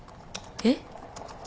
えっ？